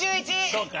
そうか？